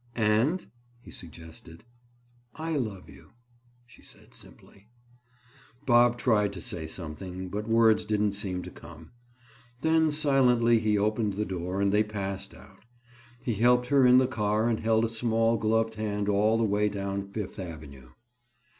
"And—?" he suggested. "I love you," she said simply. Bob tried to say something, but words didn't seem to come. Then silently he opened the door and they passed out. He helped her in the car and held a small gloved hand all the way down Fifth Avenue.